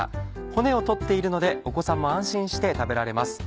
骨を取っているのでお子さんも安心して食べられます。